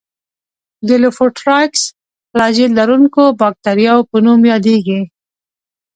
د لوفوټرایکس فلاجیل لرونکو باکتریاوو په نوم یادیږي.